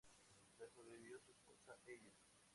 Le sobrevivió su esposa, Ellen.